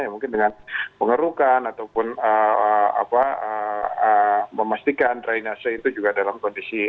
ya mungkin dengan mengerukan ataupun memastikan drainase itu juga dalam kondisi siap